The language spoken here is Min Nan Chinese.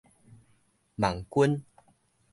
網軍